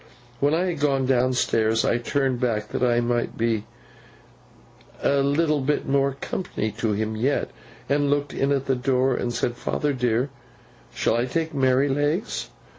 When I had gone down stairs, I turned back that I might be a little bit more company to him yet, and looked in at the door, and said, "Father dear, shall I take Merrylegs?"